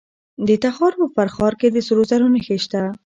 د تخار په فرخار کې د سرو زرو نښې شته.